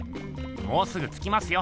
もうすぐつきますよ。